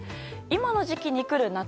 今の時期に来る夏